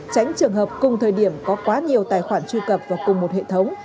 tránh trường hợp cùng thời điểm có quá nhiều tài khoản truy cập vào cùng một hệ thống